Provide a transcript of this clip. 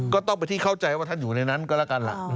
ก็ต้องเป็นที่เข้าใจว่าท่านอยู่ในนั้นก็แล้วกันล่ะ